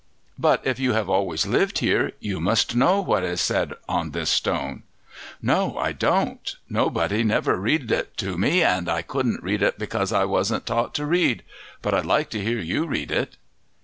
"But if you have always lived here you must know what is said on this stone?" "No, I don't; nobody never read it to me, and I couldn't read it because I wasn't taught to read. But I'd like to hear you read it."